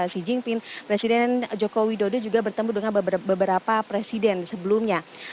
xi jinping presiden joko widodo juga bertemu dengan beberapa presiden sebelumnya